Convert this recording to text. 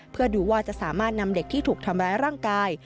เพื่อดูว่าจะสามารถนำเด็กที่ถูกทำร้ายร่างกาย